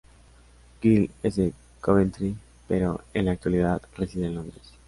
Gill es de Coventry pero en la actualidad reside en Londres.